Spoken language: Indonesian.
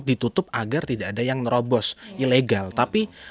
aku juga cukup lama dua ribu delapan dua ribu delapan belas dua ribu sembilan belas ya